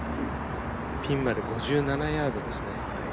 ピンまで５７ヤードです。